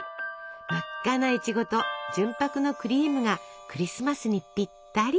真っ赤ないちごと純白のクリームがクリスマスにぴったり。